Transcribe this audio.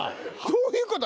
どういうこと？